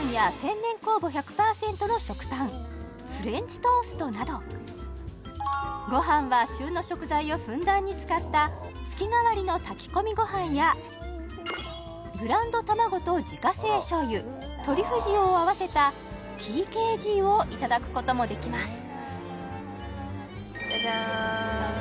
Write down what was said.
贅沢さらになどご飯は旬の食材をふんだんに使った月替わりの炊き込みご飯やブランド卵と自家製しょう油トリュフ塩を合わせたＴＫＧをいただくこともできます